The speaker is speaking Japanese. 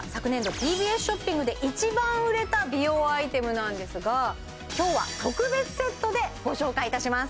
ＴＢＳショッピングで一番売れた美容アイテムなんですが今日は特別セットでご紹介いたします